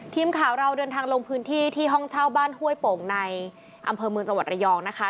ทีมข่าวเราเดินทางลงพื้นที่ที่ห้องเช่าบ้านห้วยโป่งในอำเภอเมืองจังหวัดระยองนะคะ